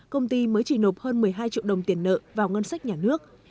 công ty mới chỉ nộp hơn một mươi hai triệu đồng tiền nợ vào ngân sách nhà nước